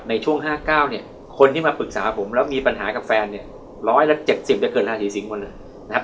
ในช่วง๕๙เนี่ยคนที่มาปรึกษาผมแล้วมีปัญหากับแฟนเนี่ย๑๗๐จะเกิดราศีสิงหมดเลยนะครับ